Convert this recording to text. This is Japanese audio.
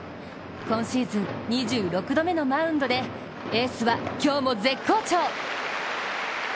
今シーズン２６度目のマウンドでエースは今日の絶好調。